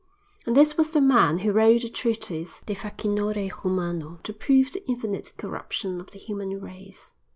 And this was the man who wrote the treatise "De Facinore Humano"; to prove the infinite corruption of the human race.